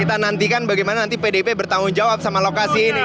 kita nantikan bagaimana nanti pdip bertanggung jawab sama lokasi ini